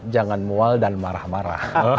jangan mual dan marah marah